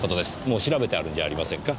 もう調べてあるんじゃありませんか？